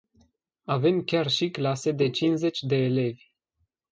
Aveam chiar și clase de cincizeci de elevi.